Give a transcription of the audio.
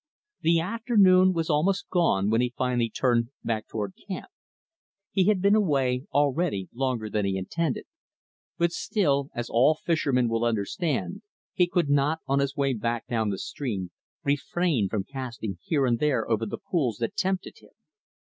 The afternoon was almost gone when he finally turned back toward camp. He had been away, already longer than he intended; but still as all fishermen will understand he could not, on his way back down the stream, refrain from casting here and there over the pools that tempted him.